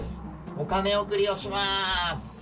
お金贈りをします。